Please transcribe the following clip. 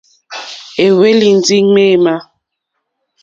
É hwélì ndí ŋmémà.